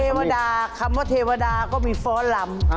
เทวดาคำว่าเทวดาก็มีฟ้อนลำ